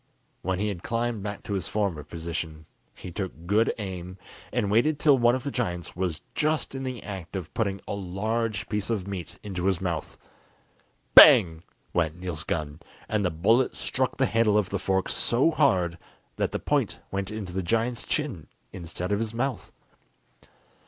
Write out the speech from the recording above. When he had climbed back to his former position, he took good aim, and waited till one of the giants was just in the act of putting a large piece of meat into his mouth. Bang! went Niels' gun, and the bullet struck the handle of the fork so hard that the point went into the giant's chin, instead of his mouth.